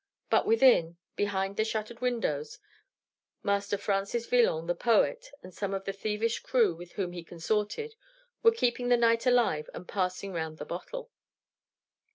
But within, behind the shuttered windows, Master Francis Villon, the poet, and some of the thievish crew with whom he consorted, were keeping the night alive and passing round the bottle.